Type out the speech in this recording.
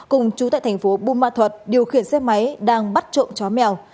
cùng chú tại thành phố bù ma thuật điều khiển xe máy đang bắt trộm chó mèo